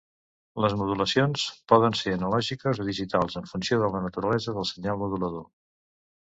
Les modulacions poden ser analògiques o digitals en funció de la naturalesa del senyal modulador.